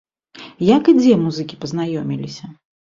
Як і дзе музыкі пазнаёміліся?